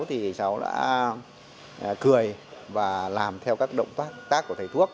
thì cháu đã cười và làm theo các động tác của thầy thuốc